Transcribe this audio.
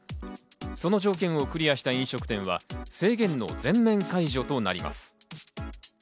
その条件をクリアした飲食店は制限の全面解除となります。